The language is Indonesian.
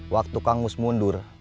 waktu kangus mundur